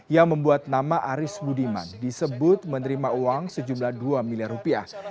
yang membuat nama aris budiman disebut menerima uang sejumlah dua miliar rupiah